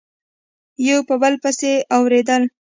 یو په بل پسي اوریدل